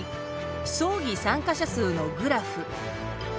２争議参加者数のグラフ。